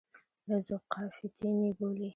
ذوقافیتین یې بولي.